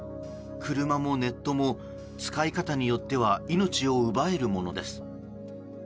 車もネットも使い方によっては命を奪えるものです。